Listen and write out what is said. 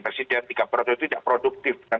presiden tidak produktif dan